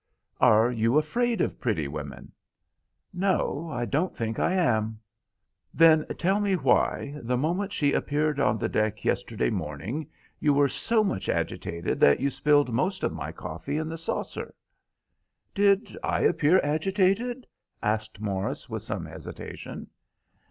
"Are you afraid of pretty women?" "No, I don't think I am." "Then, tell me why, the moment she appeared on the deck yesterday morning, you were so much agitated that you spilled most of my coffee in the saucer?" "Did I appear agitated?" asked Morris, with some hesitation.